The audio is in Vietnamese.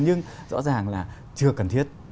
nhưng rõ ràng là chưa cần thiết